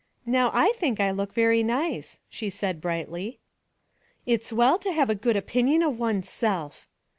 "Now, I think I look very nice," she said, brightly. "It's well to have a good opinion of one's self."